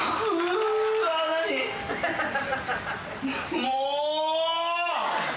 もう！